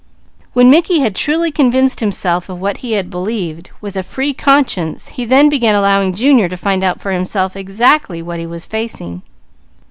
When Mickey had truly convinced himself of what he had believed, with a free conscience he then began allowing Junior to find out for himself exactly what he was facing.